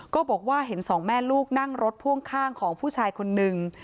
ก็บอกว่าเห็นสองแม่ลูกนั่งรถพ่วงข้างของผู้ชายคนนึง